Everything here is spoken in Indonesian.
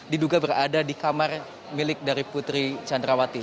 diduga berada di kamar milik dari putri candrawati